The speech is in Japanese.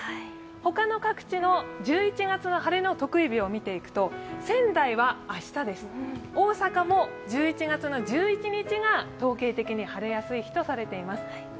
他の各地の１１月の晴れの特異日を見ていくと仙台は明日です、大阪も１１月１１日が統計的に晴れやすい日とされています。